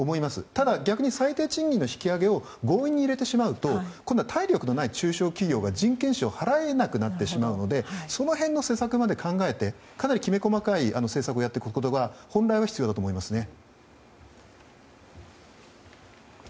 ただ、逆に最低賃金の引き上げを強引に入れてしまうと体力のない中小企業が人件費を払えなくなるのでその辺の施策まで考えてきめ細かい施策をやっていくことが必要だと思いますね。